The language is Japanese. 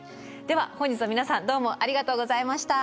では本日は皆さんどうもありがとうございました。